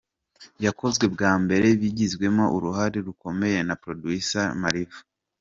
Yakozwe bwa mbere bigizwemo uruhare rukomeye na Producer Ma-Riva.